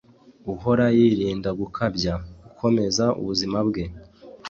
uhora yirinda gukabya, akomeza ubuzima bwe